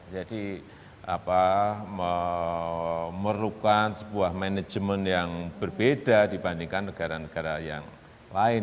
jadi apa memerlukan sebuah manajemen yang berbeda dibandingkan negara negara yang lain